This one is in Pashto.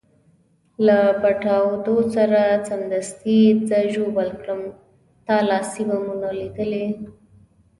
له پټاودو سره سمدستي یې زه ژوبل کړم، تا لاسي بمونه لیدلي؟